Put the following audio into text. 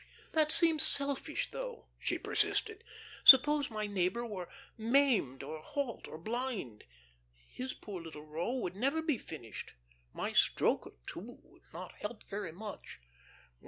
"That seems selfish though," she persisted. "Suppose my neighbour were maimed or halt or blind? His poor little row would never be finished. My stroke or two would not help very much."